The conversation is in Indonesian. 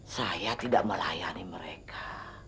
saya tidak melayani mereka